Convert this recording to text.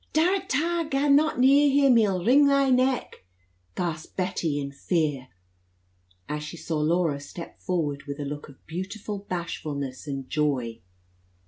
"Darrat ta! gaa not near him! he'll wring thy neck!" gasped Bessie in great fear, as she saw Laura step forward with a look of beautiful bashfulness and joy.